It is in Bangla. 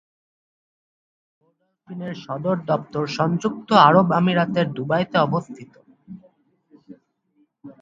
গোডল্ফিনের সদর দপ্তর সংযুক্ত আরব আমিরাতের দুবাইয়ে অবস্থিত।